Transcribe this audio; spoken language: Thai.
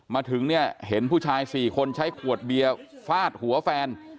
มาถึงเนี่ยเห็นผู้ชาย๔คนใช้ขวดเบียร์ฟาดหัวแฟน